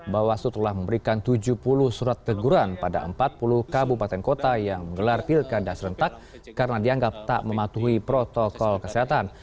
bawaslu telah memberikan tujuh puluh surat teguran pada empat puluh kabupaten kota yang menggelar pilkada serentak karena dianggap tak mematuhi protokol kesehatan